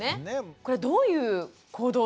これはどういう行動なんでしょうか？